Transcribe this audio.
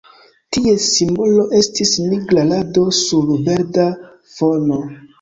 Ties simbolo estis nigra rado sur verda fono.